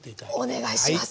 お願いします。